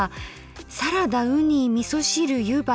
「サラダうにみそ汁ゆば」。